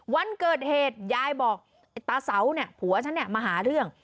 วันเกิดเหตุยายบอกตาเสาผัวฉันมาหาเรื่อง